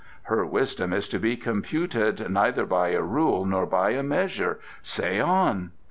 "Her wisdom is to be computed neither by a rule nor by a measure. Say on."